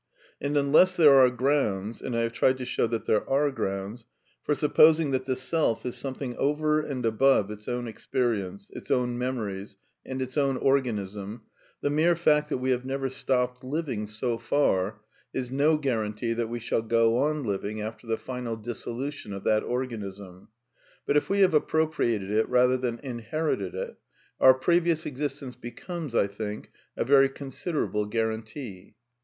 And unless there are grounds — and I have tried to show that there are grounds — for sup posing that the Self is something over and above its own experience, its own memories, and its own organism, the 318 A DEFENCE OF IDEALISM mere fact that we have never stopped living so far is no guarantee that .we shall go on living after the final dissolu tion of that organism. But if we have appropriated it rather than inherited it, our previous existence becomes, I think, a very considerable guarantee.